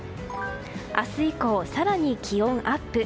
明日以降、更に気温アップ。